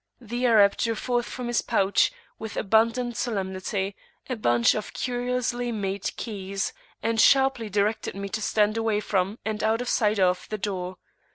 The Arab drew forth from his pouch, with abundant solemnity, a bunch of curiously made keys, and sharply directed me to stand away from and out of sight of the door.